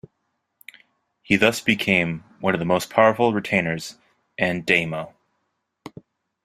He thus became one of the most powerful retainers and daimyo.